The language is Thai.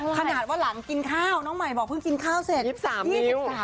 ขนาดว่าหลังกินข้าวน้องใหม่บอกเพิ่งกินข้าวเสร็จ